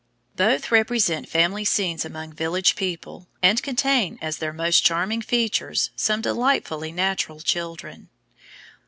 Both represent family scenes among village people, and contain, as their most charming features, some delightfully natural children.